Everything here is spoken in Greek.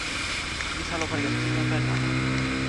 ή θα λογαριαστείς με μένα.